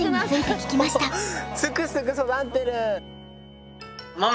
すくすく育ってる。